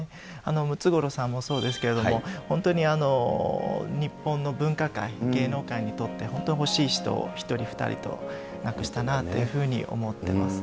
ムツゴロウさんもそうですけど、本当に日本の文化界、芸能界にとって、本当惜しい人、１人２人と亡くしたなあというふうに思ってます。